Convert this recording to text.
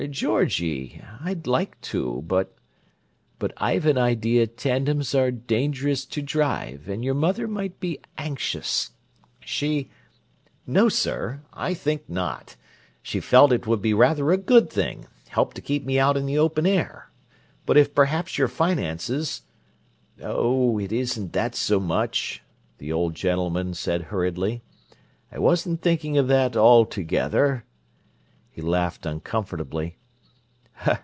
"Georgie, I'd like to, but—but I've an idea tandems are dangerous to drive, and your mother might be anxious. She—" "No, sir; I think not. She felt it would be rather a good thing—help to keep me out in the open air. But if perhaps your finances—" "Oh, it isn't that so much," the old gentleman said hurriedly. "I wasn't thinking of that altogether." He laughed uncomfortably.